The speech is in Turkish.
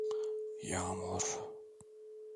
Yağmur…